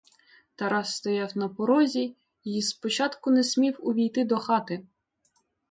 Тарас стояв на порозі й спочатку не смів увійти до хати.